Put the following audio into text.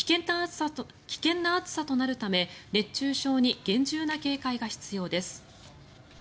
危険な暑さとなるため熱中症に厳重な警戒が必要です。